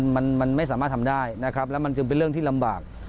มันมันไม่สามารถทำได้นะครับแล้วมันจึงเป็นเรื่องที่ลำบาก